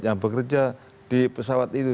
yang bekerja di pesawat itu